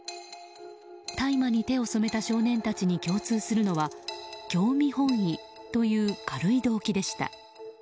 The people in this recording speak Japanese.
大麻に手を染めた少年たちに共通するのは興味本位という軽い動機でした。